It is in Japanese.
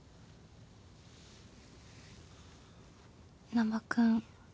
難破君。